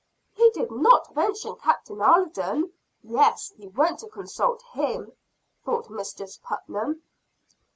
"He did not mention Captain Alden. Yes, he went to consult him," thought Mistress Putnam.